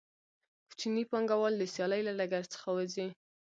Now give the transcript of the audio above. کوچني پانګوال د سیالۍ له ډګر څخه وځي